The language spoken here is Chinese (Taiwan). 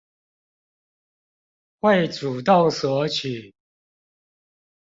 會主動索取